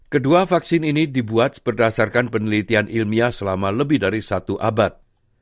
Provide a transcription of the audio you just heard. kedua vaksin ini dibuat berdasarkan penelitian ilmiah selama lebih dari satu abad